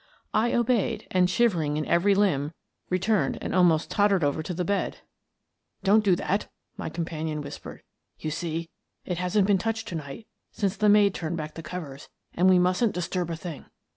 I obeyed and, shivering in every limb, returned and almost tottered over to the bed. " Don't do that !" my companion whispered. " You see, it hasn't been touched to night since the maid turned back the covers, and we mustn't dis turb a thing.